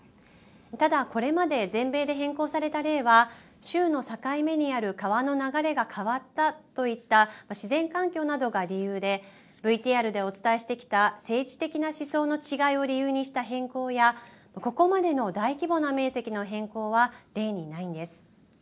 ただ、これまで全米で変更された例は州の境目にある川の流れが変わったといった自然環境などが理由でＶＴＲでお伝えしてきた政治的な思想の違いを理由にした変更やここまでの大規模な面積の変更は例にないんです。